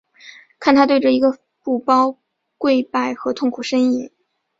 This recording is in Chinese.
看着他对着一个布包跪拜和痛苦呻吟。